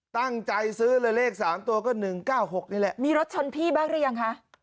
ตั้งใจซื้อเลยเลขสามตัวก็๑๙๖นี่แหละมีรถชนพี่บ้างหรือยังคะ